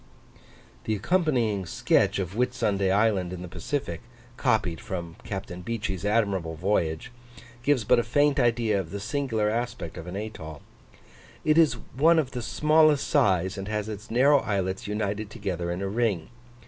The accompanying sketch of Whitsunday Island in the Pacific, copied from, Capt. Beechey's admirable Voyage, gives but a faint idea of the singular aspect of an atoll: it is one of the smallest size, and has its narrow islets united together in a ring.